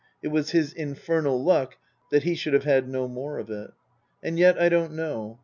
It was his infernal luck that he should have had no more of it. And yet, I don't know.